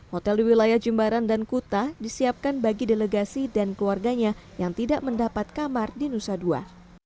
hotel di wilayah jembaran dan kuta disiapkan bagi delegasi dan keluarganya yang tidak mendapat kamar di nusa dua